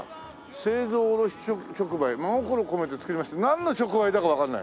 「製造卸直売」「真心込めて作ります。」ってなんの直売だかわかんない。